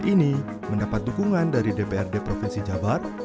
ini mendapat dukungan dari dprd provinsi jabar